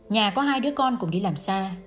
nhà có hai đứa con cùng đi làm xa